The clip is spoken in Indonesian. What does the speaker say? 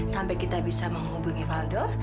sampai kita bisa menghubungi valdo